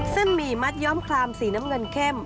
ซึ่งหมี่มัดย้อมคลามสีน้ำเงินเข้ม